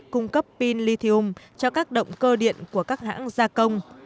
cung cấp pin lithium cho các động cơ điện của các hãng gia công